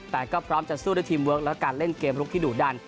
แต่ก็พร้อมจะสู้ด้วยทีมเวิร์คและการเล่นเกมลุกที่ดุดัน